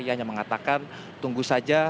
ianya mengatakan tunggu saja